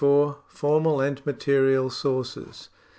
Formal and Material Sources.